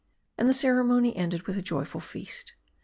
And the ceremony ended with a joyful feast.